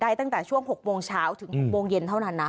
ตั้งแต่ช่วง๖โมงเช้าถึง๖โมงเย็นเท่านั้นนะ